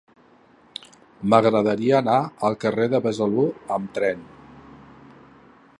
M'agradaria anar al carrer de Besalú amb tren.